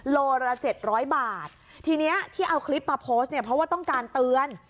โลละเจ็ดร้อยบาททีเนี้ยที่เอาคลิปมาโพสต์เนี่ยเพราะว่าต้องการเตือน